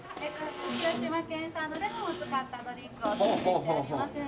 広島県産のレモンを使ったドリンクをお作りしております。